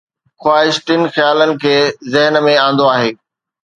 خواهش ٽن خيالن کي ذهن ۾ آندو آهي